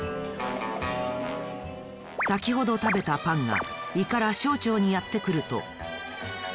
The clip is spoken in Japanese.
さきほど食べたパンがいから小腸にやってくると。